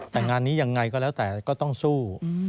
แต่งานนี้ยังไงก็แล้วแต่ก็ต้องสู้